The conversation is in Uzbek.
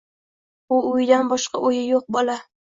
U o‘yidan boshqa o‘yi yo‘q bola.